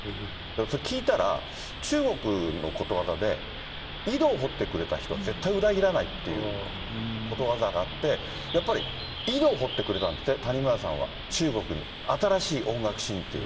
それ聞いたら、中国のことわざで、井戸を掘ってくれた人は絶対裏切らないっていうことわざがあって、やっぱり井戸を掘ってくれたんですって、谷村さんは中国に、新しい音楽シーンっていう。